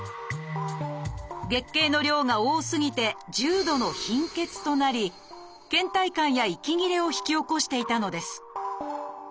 月経の量が多すぎて重度の貧血となりけん怠感や息切れを引き起こしていたのです